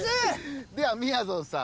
ではみやぞんさん。